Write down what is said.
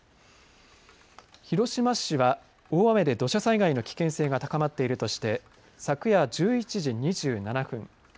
広島市は大雨で土砂災害の危険性が高まっているとして昨夜１１時２７分。